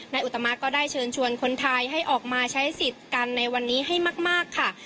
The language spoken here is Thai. อุตมะก็ได้เชิญชวนคนไทยให้ออกมาใช้สิทธิ์กันในวันนี้ให้มากค่ะ